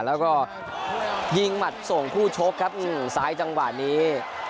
แล้วก็ยิงหมัดส่งคู่ชกครับซ้ายจังหวะนี้